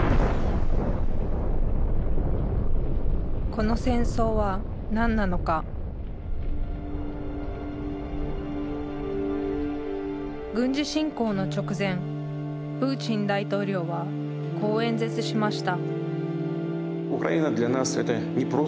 この戦争は何なのか軍事侵攻の直前プーチン大統領はこう演説しました